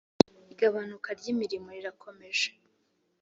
igabanuka ryimirimo rirakomeje.